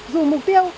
dù mục tiêu